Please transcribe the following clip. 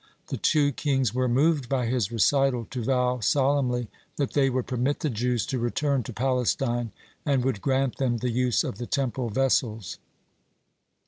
The two kings were moved by his recital to vow solemnly that they would permit the Jews to return to Palestine, and would grant them the use of the Temple vessels.